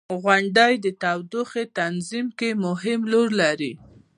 • غونډۍ د تودوخې تنظیم کې مهم رول لري.